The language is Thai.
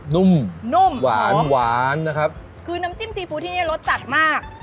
นุ่มหอมนะครับคือน้ำจิ้มซีฟู้ที่นี่รสจัดมาก